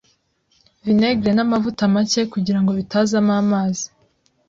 vinegere n’amavuta make kugira ngo bitazamo amazi,